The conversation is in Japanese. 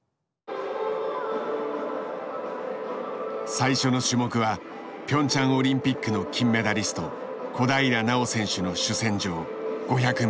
最初の種目はピョンチャンオリンピックの金メダリスト小平奈緒選手の主戦場５００ｍ。